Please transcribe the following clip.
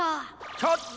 ちょっと！